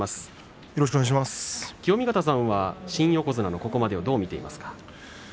清見潟さん、新横綱のここまでをどう見ていますか。